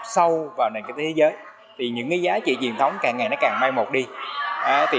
sau vào thế giới những giá trị truyền thống càng ngày càng mai một đi